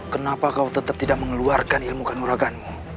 kenapa kau tetap tidak mengeluarkan ilmu kanuraganmu